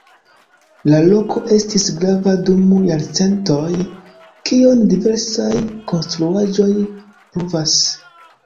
La loko estis grava dum jarcentoj, kion diversaj konstruaĵoj pruvas.